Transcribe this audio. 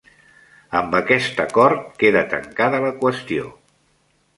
Amb aquest acord queda tancada la qüestió.